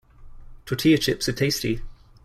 Tortilla chips are tasty.